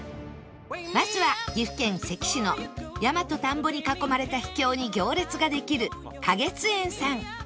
まずは岐阜県関市の山と田んぼに囲まれた秘境に行列ができる香月宴さん